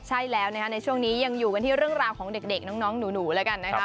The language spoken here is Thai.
ใช่แล้วนะคะในช่วงนี้ยังอยู่กันที่เรื่องราวของเด็กน้องหนูแล้วกันนะคะ